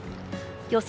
予想